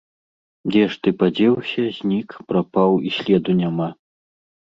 Дзе ж гэты падзеўся, знік, прапаў, і следу няма!